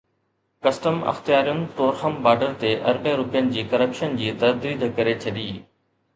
custom اختيارين Torkham border تي اربين رپين جي ڪرپشن جي ترديد ڪري ڇڏي